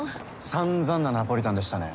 さんざんなナポリタンでしたね。